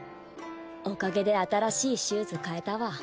おかげで新しいシューズ買えたわ。